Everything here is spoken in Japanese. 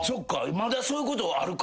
まだそういうことあるか。